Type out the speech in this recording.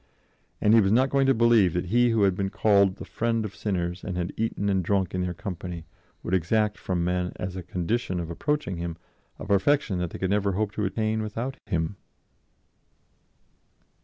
And he was not going to believe that He who had been called the Friend of sinners and had eaten and drunk in their company would exact from men as a condition of approaching Him a perfection that they could never hope to attain without Him.